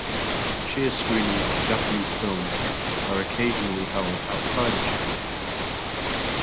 Cheer screenings for Japanese films are occasionally held outside of Japan.